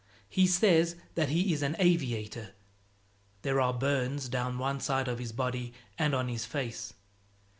He says that he is an aviator. There are burns down one side of his body and on his face.